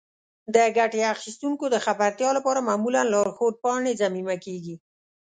د ګټې اخیستونکو د خبرتیا لپاره معمولا لارښود پاڼې ضمیمه کیږي.